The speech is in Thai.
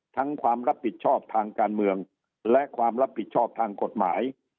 ความรับผิดชอบทางการเมืองและความรับผิดชอบทางกฎหมาย